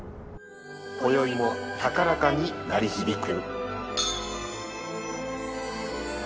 こよいも高らかに鳴り響く。